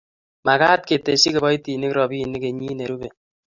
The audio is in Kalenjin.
mekat ketesyi kiboitinik robinik kenyit ne rubei